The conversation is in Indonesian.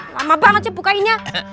lama banget cebukainya